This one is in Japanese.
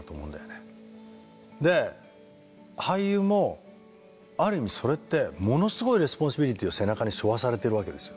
で俳優もある意味それってものすごいレスポンシビリティーを背中にしょわされてるわけですよ